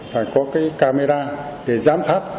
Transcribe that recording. phải có camera để giám sát